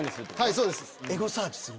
そうです。